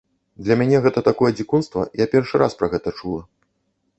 Для мяне гэта такое дзікунства, я першы раз пра гэта чула.